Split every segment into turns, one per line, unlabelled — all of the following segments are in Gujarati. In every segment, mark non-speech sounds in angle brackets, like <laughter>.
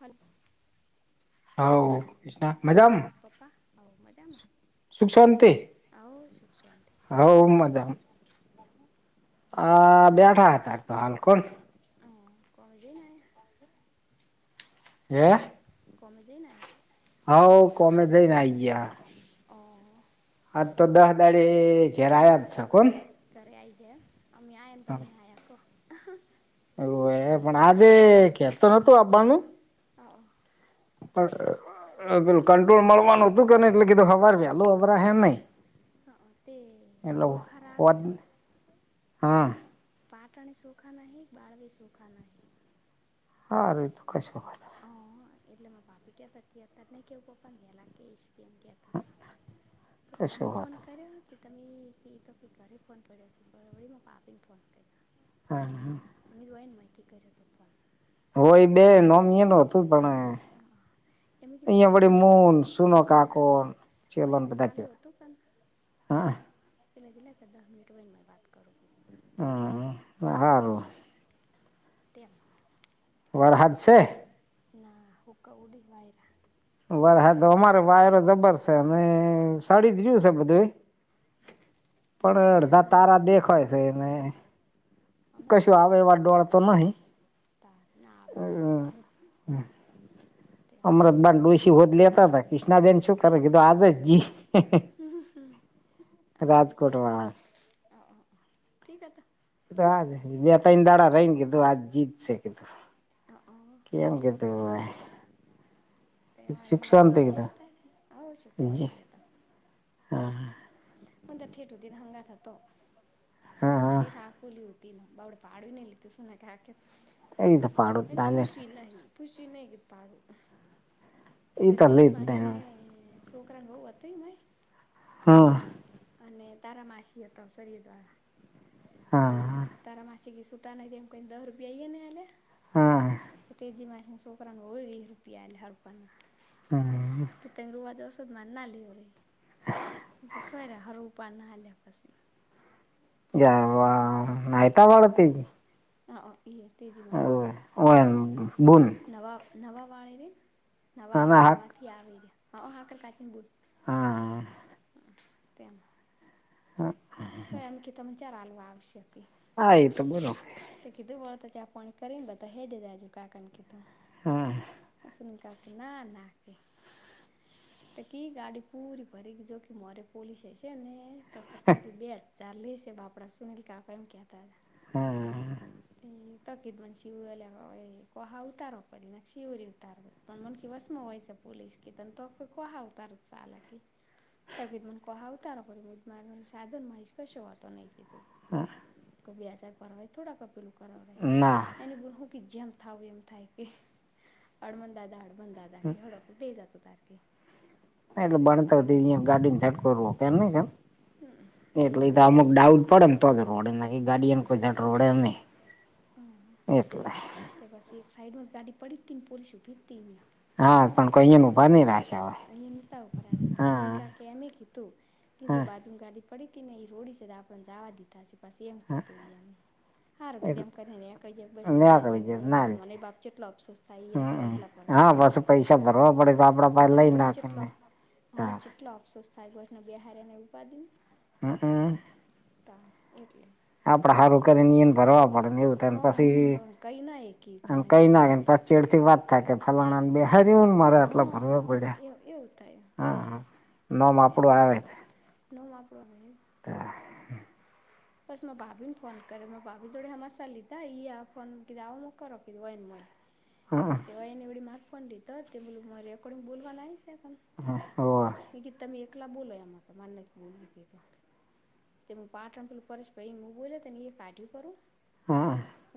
હાલ
હાવો.
હઉ પપ્પા, હઉ મજામાં?
સુખ શાંતિ
આવ શુંખ શાંતિ શું કરો
હવ
છો?
અ બેઠા તા તો હાલ કોણ?
આ કોમે જઈ આય?
હે?
કોમે જઈને આયા?
હાઉ કામે જઈને આઈ ગયા.
હ.
આજ તો દસ દિવસે ઘેર જ છે કોણ?
ઘરે આઈ ગયા એમ? અમે આયાને તમે આયા કો.
હવે પણ આજે કેતો નતું આવવાનું?
હા.
પસ પેલુ કંટ્રોલ મળવાનું હતું કે ને એટલે કીધું સવારે વહેલું હભરા હે નઈ.
તે ચોખા
હોત
રાખજો
હા.
પાટણ સોખાન બાળવે સુખા નહી
સારુંએ તો કસો વાંધો નહીં.
હ એટલે મા ભાભી કયા ત ક હતા નહી કેવું પપ્પાને કેસ કે એમ કયા કાસ
કશો
તમન ફોન
વાંધો
કર્યો તે તમે એ તો કે ઘરે ફોન પડ્યો છે પર વળી મા પાપીને ફોન કર્યો
હા હા.
તમે દવાન માહિતી કર્યો તો ફોન.
હોય બે નોમિ ન હતો
હ એમ કેધ
અહિયાં વળી મુન
બનમવળવી
સુનો
એટલેના
કાકો ચેલોન
ઓમે
બધા
સામેલ
કેવા
હો હતું પણ
હા.
ચલે જ તો દસ મિટ વનનેમાં વાત કરો કે તું
હ સારું
તેમાં
વર હાદશે?
ના હ ક ઉડી વાયરા.
બરા હા તો અમારો વાયરો જબર છે અને સાડી જોય છે બધું એ.
એ તો
પણ
કોઈ
અડધા
આબર નહીં
તારા દેખાય છે એને.
અમાં ના આવે કોઈ તાર ના આવે હમણાં. તેમ
અમરતબન ડોલસી હોદ લેતા હતાા ક્રિ્ણાબેન શું કરે તો આજ જી
હ આવલી તહ
રાજકોટ વાળા
ઠીક તો.
કધું આજ બે તને દાડા રહીને કીધું આજ જીતશે કીધું.
કા ઓ.
કેમ કીધું હોય.
તે મારે મંડણ જ જ
કીધું
હતા આવ શિક્ષવંતિ હતા.
હમ
મ ત ઠેટ હોતી હંગા થ તો
હા હા
થઠેટ હાફુલી હોતી. બાવડે પાડવી નઈ લીધું શુંને કે આ કે મેં તો પૂછ્યું નહી. પુષ્યુય નઈ ભાડું. તો તેજી માછ ને છોકરાને બઉુ અય મય?
હમ
અને તારામાસી હતો શરીર દ્વારા તે
હા
તારામાસી માછ સુટા ન એમ કઈ દ રૂપિયાઈ ને
હા
હ તેજી માછો ઉપરંગ હોય રૂપિયા લ હરપંગ.
અને
કે તમે રવાજ ઓસધ મા ના લેવ રહી કે સોરે હર રપા ના લ્યા પછી.
ગ નાઈતા ભળ તે.
હા ઈ તેજી માછમાં સો નવા નવા વાળે રે. નવા આવ નવા થી આવી રહ્યા હ હા કર કાચીન બુટ
હા
તેન
હા.
સ્વયં કિતા ચરાલ વા આવશે કી.
હા એ તો બરોબર.
તો કીધું વાળ તો ચા આપણ કરીને બધ હેી આજુ કાકાણ કીધું.
હા
હસન કા કે ના નાખે એકી ગાડી પૂરી ભરી જોખી મરે પોલીસ હશે ને. તો કૃષ્ણા કે બેટ ચાલલી બાાપડા સુનીલ કાકા એમ કેતા હતા.
હા.
એ તોકીદ મ શિવ કોહા ઉતારવા પડી ના શિવિવરી ઉતારવા. પણ મનકી ભસ્મ હોય છે પોલીસ કી ત તો કોહા ઉતાર ચાલા કી. તો મ કો હ આવતા પર મા સાધુન માહશ કશું વાંધો નહી કીધું.
હા.
કો બેજાર પરવાય થોડાક પેલું કરાવ રહેે.
ના
એની બુન હું કે જેમ થાવું એમ થાય કે હડમન દાદા અળ બંધદાદા કે હળો બેઈ જા તું તાર કે.
એટલે બણતા
તાર
અયા ગાડીને છટકવું કેમ ન કેમ
હમ એવું
એટલે
એમ
અમુક. ડાઉટ પડે ને તો જ રોડે નાખી ગાડી એમ કોઈ દાડે રોડે નહી
હમ
એટલે.
તે બસ એક સાઈડ વર ગાડી પડી હતી પોલીસ ઉભી તી અહ્યા.
હા પણ કોઈને ઉભા નહી રાખે.
અહી નેતા ઉભા રાખે. કિશન ને કાકી એમએ કીધું કે જો
હા
બાજુ ગાડી પડીતી ને એ રોડી છે તો આપને જવા દીધા હ પસી એમ કીધું એ એને. હારો કીધું
એટલે
એમ કરી ને એકડી જ બસને બે હજાર
નીકળી
પર
જાય ના
મને એ બાપ જેટલો અફસોસ થાય એ ને
હમમ
એટલા. ભરવા
હા
થઈ
પાસું પૈસા ભરવા પડે તો આપડા પા લઈને
ચેટલો હા ચેટલો અફસોસ થાય કોઈને બે હાર ને ઉપાડી.
હ હ.
તાર એટલે.
આપડે હારું કરીન એને ભરવા પડેને એવું થાય ને
હા
પછી
બરોબર કઈ ના કી
એ
પણ એમ
કઈ
કે
નાખેને પ ચેડથી વાત થાય કે ફલાણા બે હર મારે આટલા
હા
ભરવા
હા
પડ્યા
એ એવું થાય
હા
એટલે
નોમ
એમ
આપડું આવે.
નોમ આપડું આવે એમ.
હા.
પસ મા ભાભી ને ફોન કરે ભાભી જોડે હમાશા લીધા ઈ આ ફોન કીધા આવો મોકરો કીધું હોયને મને.
હહ.
એવા એને એડી મારફોન લીધો તે બલું મારે રેકોડિંગ બોલવા નાઈ શકમ.
હ હ હવ.
મેં કીધું તમે એકલા બોલો મારે નથ બોલવું એમાં. તેું હું પાટ રમ પેલું પરેશ ભાઈ હું બોલ તને એ કાઢ્યું કરું.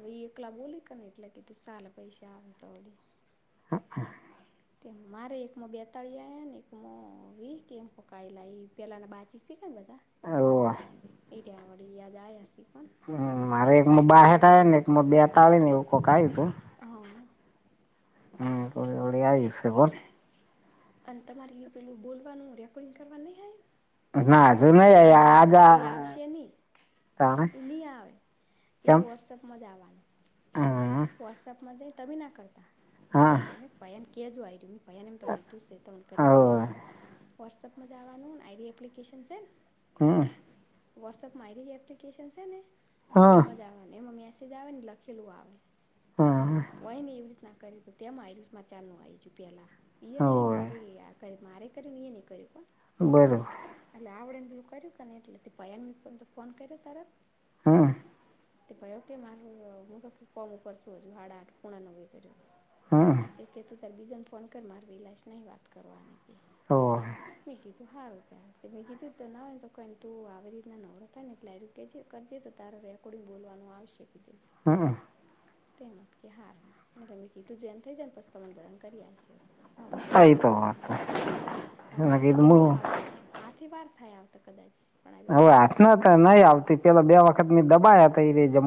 હવે એકલા બોલે ક ને એટલે કે તું સારા પૈસા આવે તોડે.
હા.
તે મારેય એકમાં બેતાળી આયા ને એક મો વી કે એમ કો કોક આયેલા એ પેલા બાચી થી કાને બધા
હોવે
ઈરા વળી આજ આયા સે.
હમ્મ મારે એકમાં બાહેઠ આયા ને એકમાં બેતાળી ને એવું કોક આયુ તું.
હોવ.
હમ્મ હોડી ઓળી આવી જશે બોલ.
અને તમારે એ પેલું બોલવાનું રેકોર્ડિંગ કરવા નહી આયુ.
ના હજુ નહી
એટલે
આજ
એ આવશે નહીં
તાણે
એ નહી આવે એ વોટ્સઅપ માંજ આવવાનું.
હા.
વોટ્સઅપમાં જઈ તમે ના કરતા,
હા
પરેશ ભાઈને ભયાન કહેજો આય રમિત ભૈયાને એમ તો કીધું શે તો મને કરી હાલ શે,
હોવે
વોટ્સઅપમાં જ આવવાનું ને આઈરિ એપ્લિકેશન છે ને
હમ્મ
વોટસઅપ આરી એપ્લિકેશન છે ને એમાંજ આવે ને મેસજ સીધા આવે ને લખેલું આવે.
હા.
કોઈની એવી રીતના કરી તો તેમાં આઇલુ મા ચાલું આ આવીજું પેલા ઈ ને મા તે આ મારે કર એ નહીં કર્યું કો.
બરોબર.
એટલે આવડ ને ભેલું કર્યું કેને એટલે, ભયાન તો ફોન કર્યો તરત
હમ્મ
તો ભૈયોકે મારું હું તો કોમ ઉપર શું હજુ, હાડા આઠ પૂણા નવે કર્યો કોલ
હા
એ કેતું તારે બીજાને ફોન કર મારવી લાશ નહી વાત કરવાની કે, મે કીધું તું સારું પેમ મે કીધું તો ના હોય ને તો કાંઈની તું આવી રીતના નવરો થાય ને એટલે ર કરજે તો તારુ રેફ થોડું બોલવાનું આવશે કીધું.
હા
તેમ જ કે હારુ, એટલે મે કીધું જેમ થઈ જાય ને પછી તને બધાને કરી આપજેરો. મા પાપીને
આઈ
ન
તો વાત
તમોને, મારી
એને
કાકી કે
કીધું
નહીં
હું
હાવતુ આથી વાર થાય આવતા કદાચ પણ આજે થઈ
હવે
જાય
હથના તો નહી આવતી, પેલા બે વખત મે દબાયા થા ઈરે જમ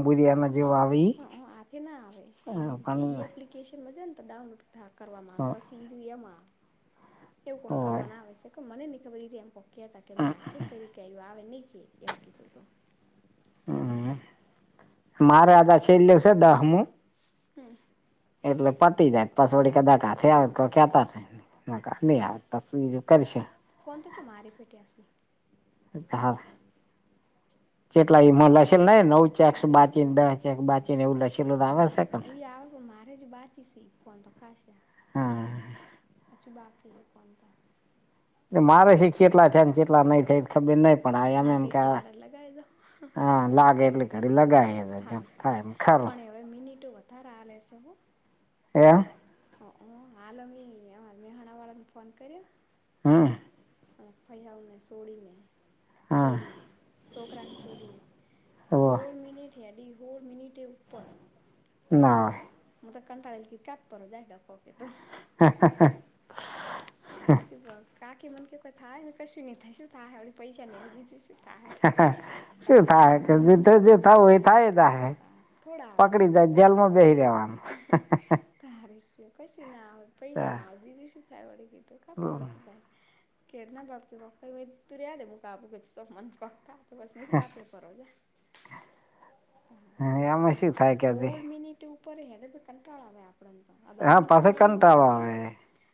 અ આથે ના આવે, પણ એમ કે ઈ એપ્લી કેસન મા જા તો ડાઉનલોડ થ કરવામાં આવ, પછી <unintelligible> માં કોઈકવર
હોય
કરવાના આવે શે. ટોકે મને નહી ખબર એરી એમ પોક હતા કે, મે આથે કર્યું કેયું આવે નહી કે એમ કીધું તું. તેમ
મારા આધા છેલ્લે છે દહમું. એટલે પટી જાય, પસોડી કે દાખેર ગોખ્યા તા <unintelligible> કર સે.
ફોન તોજો મારી પીટ્યાશી
હા, જેટલા ઈ મૌલા છે,
એટલે
<unintelligible> એક બાચી ને એવું લશેલું તો આવેસ.
ઈ આવું મારે જ બાંચી સી ફોનતો કાશા.
હા.
અચુ બાકી ફોનતો
મારે છી કેટલા થયાન ચેટલા નઈ થયા એત ખબર નઈ પણ અયાં એમ
લાગે એટલી
કા
કળા લગાવી દો
હા લાગે એટલે ઘડી લગયવા, જેમ
થાશે
થાય એમ કરો.
પણ હવે મિનિટો વધારે આલે શે હો.
એયા
હ હ, હાલવી ઓલા મેહાણા વાળાને ફોન કર્યો?
હમ્મ.
તો ફૈયાઓને સોડીને
હા
સોડીને, છોકરાને સોડીને,
ઓ
કોઈ મિનિટ થી હડી હોળ મિનિટએ ઉપર
ના.
હું તો કંટાળી <unintelligible>
<unintelligible>
તારે <unintelligible> કાકી મન કે કઈ થાય હે ને, કશું નહીં થાય, શું થાયહે, વળી પૈસા નહીં આવે બીજું શું. થાહે કીધું, તાહાર
થાય
શું,
કે જે જે થવું
બીજું
હોય એ
કશું નો થાય
જાય
તાહ. થોડા આવશે યા
પકડી જાય
ગાતુંયે
જેલમાં
ની
બેસી રહેવાનું
આવે. તારી શું, કશું ના આવે પૈસા ના આવે બીજું શું થાય વળી કીધું <unintelligible> <unintelligible> તો બસ મેથી કાપ્યો ફરવાજા
એમાં શું થાય કે હજી?
હોળ મિનિટ ઉપર હે એને તો કંટાળ આવે આપ આપણા ને તો, આ બાર
હા
મિનિટ
પાસે
નહી
કંટાળો
નેટની
આવે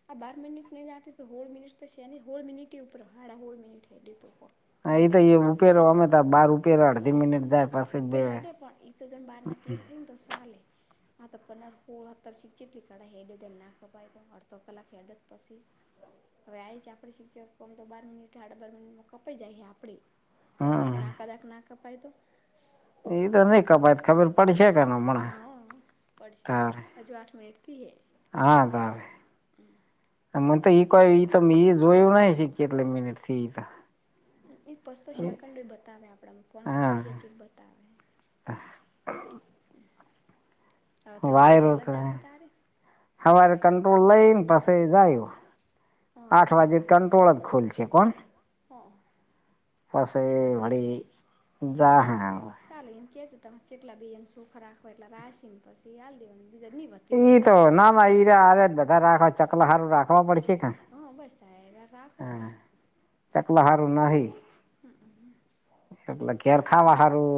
આ બાર મિનિટ પ્લે રાખે તો હોળ મિનીટ તો શેની હોળ મિનીટ રીય ઉપર, હાળા મિનીટે દીધો ફોન.
હા, ઈ તો
પંદર
એ
કે ચૌદ
ઉપેરો
જેવું,
અમે તો બાર ઉપેરો
છે
અડધી મિનિટ જાય પાસે બે
પણ <unintelligible> સજણ બહારના તીર થઈન તો સાલેે. પંદર હોલ હતર કા તો માં કપાય પછી? અડધો કલાક હલે તો પછી? હવે આઈ છે આપડી શિક્ષક, ઓમ તો બાર મિનિટ એ હાડા બાર મિનિટ માં કપાઈ જાય આપડે
હમ
પણ આ કદાક ના કપાય તો
એ તો નઈ કબાત ખબર પડશે ને હમણાં તારે
હજું આઠ મિનીટ થી હે.
હા તારે. ત મન તો ઈ કોઈ ઈ તો મે ઈ જોયું નહીં છેક કેટલી મિનિટ થી ઈ કા
એ પસ્તો શ્યાકંડ બતાવે આપણામાં ફોન,
હા
કપાઈ જાય પહિ બતાવે. તો તમે વળી
વાયરો તો
વેળા અતારે
હવારે કંટ્રોલ લઈન પસી જાયું.
હ
આઠ વાગે
સારું
કંટ્રોલ જ ખુલશે કોણ.
હ
પસી વળી જાહે એમ.
ચાલે એમ કે છે તમે જેટલા બી એમ સુખ રાખ પાહી આલ દેવાનું
ઈ તો ના, ના ઈ <unintelligible> ચકલા હારું રાખવા પડશે કા.
હં <unintelligible>
ચકલા હારું નહીં,
હમ
એટલે ઘેર
ચાલે
ખાવા હારું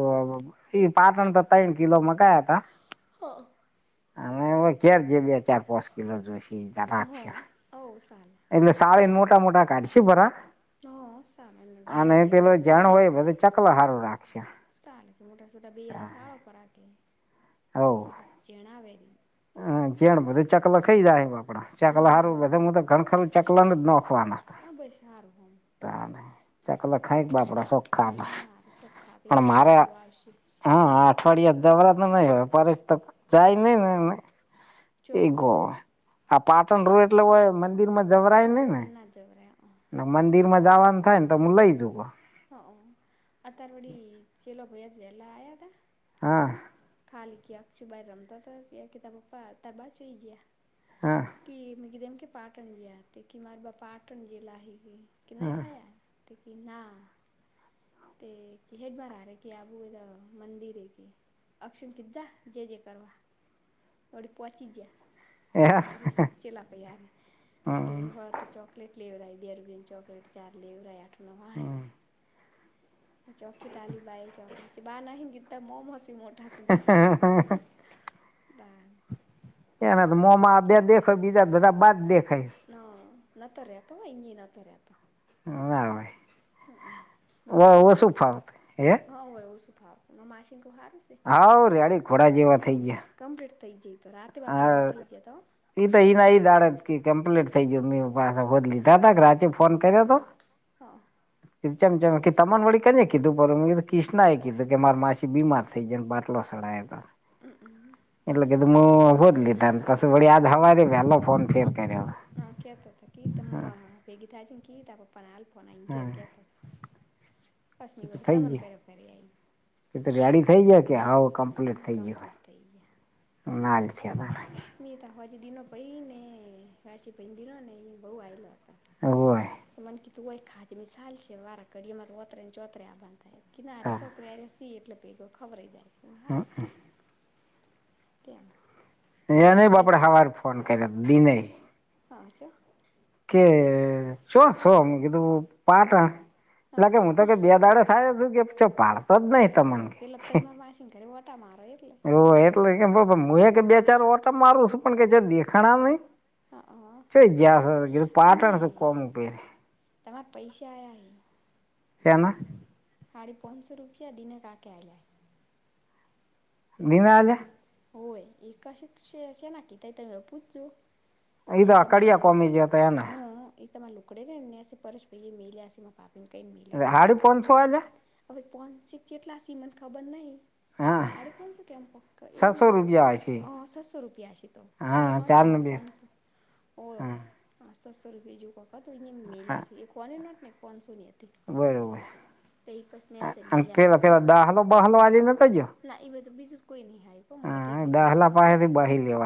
ઈ પાટણ તો તય્ન કિલો મંગાયા હતા
હ હ
<unintelligible> અાર જે બે ચાર પાંચ કિલો જોશે રાખશે
ઓ ચાલે
એટલે સાડ નટ મોટા મોટા કાઢી ભરા
હ સારને
અને
જેણી ણા ચકલખાય
અચ્છા
લે કે મોટા છટા બીજ ના સળ પર આખ
હ
પદ જણાવેરી
હા જણ બ ચકલ ખઈ જાય આપે
નવ
ચકલા
બાર
સારું તો ઘણખરું ચકલ જ નાખવાના
હા બસ હારું.
ત સા કલે ખાઈક બાપડા શક્
હમ હરે સોખા પણ આડું આવશે
હા અઠવાડિયા જબરા નહી હો પસ તો જાય નહી ને
જો
એ ગોય આ પાટણ રો એટલે હોય મંદિર માં જવરાય
હો
નને
ના જવરાય
ને મંદિર માં જવાનું થાય ને તો હું લઈ જઉ
હ અતાર વડી ચેલો ભાઈ જ વહેલા આવયા હતા.
હા
ખાલી ક આક્ષું બાર રમતા હતા કેતા પપા ત બા જોઈ ગયા
હા
કે મી દેમકે પાટણજી આ તે કે મારે બા પાટણજી લ હ કે કે નહી હા તોકી ના તે ક હડ માર આ ર કે આબું એ મંદિર એ કે અક્ષમ કીધા જે જે કરવા ઓડી પહચી
એ
જયા હરે ચલા પાઈ હરે તે
હમ
વાત તો ચોકલેટ લેવય બિયરગન ચોકલેટ ચાર લેવય આઠ નવાય <unintelligible>
<inaudible>
<inaudible>
એના તો મોમાં બે દેખ બીજા બધા બાદ દેખાયસ.
ના ન ત રહ્યાતો ન તરે્યા હતા
ના હો
હમ માશિન હારું છે
ફાવત હે
હા સુભ માશિન કો હારું છે
હા રેડીે ઘોડા જેવા થઈ
હવ
ગયા
કમ્પ્લીટ થઈ જાય તો રાતે બાપા એવો થઈ જયા તો
એઈ તો ઈના ઈ દાડત કે કમ્પ્લીટ થઈ ગયો મે પા હો લીધ દાદા રાજે ફોન કર્યો હતો
હા
ચમચમ કી તમન વળી કેને કીધું, પણ અમને તો ક્રિષ્ના એ કીધું કે માર માસી બીમાર. <unintelligible> બાટલો શળાયો તો.
<inaudible>
એટલે કીધું <unintelligible> જ લીધાન પસી વળી આજ હવારે વહેલો ફોન ફેર કર્યો.
હા કેતો હતા કી તમ ભેગી થાય છે ને કી તાર પપ્પાનો હાલ ફોન આઈ ગયો
હમ
એમ કેતો તો. પસમી વડી
થઈ
તમન
ગયું
<unintelligible>
એ તો રેડી થઇ જાય કે હોવ કમ્પ્લીટ
હમ
થઈ ગયુ
કમ્પ્લીટ થઈ
એમ <unintelligible>
મે તોખવાજી દિનો પઈ ને વાસી પહી દીલો ને ઈ બહુ હાયલો તો.
<unintelligible>
તમાંને કીધું હોય ખાચે મિશાલ શેવારે કડી મર ઓતરેન ચોતરે આપન થાય. કિનારે
હા
છોકરેને સી એટલે ભેગું ખવરાય જાય. <unintelligible> કેમ
એયેને બાપરે હવારે ફોન કરયો ત દિનેહ.
હા ચ
કે ચોસોમ કીધું, પાટણ.
હા
લાગે હું તો કે બેદારે થાય શું કે પછો પાડતો જ નહી. તમને
હોયે. પેલા તો એ <unintelligible> માસીન ઘરે ઓટા મારો એટલે.
હો એટલે કેતો તો હું એક કે બે ચાર ઓટા મારું સું, પણ કેય જ દેખાણા નહી.
હા
<unintelligible>
તમાર પૈસા આયા હે.
શેના?
હાડી પાંસો રૂપિયા દિને કા કે આયા હે.
<unintelligible>
હોય, એક કશ શ શેના કીધા ઈ તમે પૂછજો.
એ
આ
તો
ઈ તમાર
અકડિયા
લોકડ,
કોમી ગયો હતો એને
હં ઈ તમાર <unintelligible> મેલ્યા સે. પાબન કરીને મિલા કે
હાડી
પપ્પા
પાંચસો આલે
હવે પોનસ જેટલાક સે મને ખબર નહીં,
હા
હાડી પાંસો કે એમ ફક્ત એ
સાતસો
વખત
રૂપિયા હોય છે
અહ સસો રૂપિયા સે તો, હો ની
હા
નોટ
ચાર
ના
ને
ઓ
બે
પંસો હોયો
હા
આ સતસો રૂપિયા જેવું કક તો અહીંયાં મેલા
હા
સે એક હો ની નોટ ને પાંસો ની હતી.
બરોબર.
તો એ કસને હશે
અન
મેલ્યા હશે કોણ
પેલા-પેલા દાહલો બહાલો હાલી નતા ગયા.
ના ઈ બધું બીજું જ કોઈ નહીં આહી, પણ <unintelligible>
દાહલા
કરાતા.
પાસેથી બહી લેવા